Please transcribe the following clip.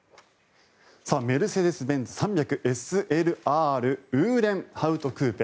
メルセデス・ベンツ３００ＳＬＲウーレンハウトクーペ。